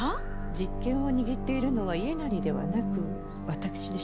実権を握っているのは家斉ではなく私でしょう？